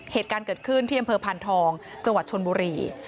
เหตุการณ์เกิดขึ้นที่อำเภอพานทองจังหวัดชนบุรี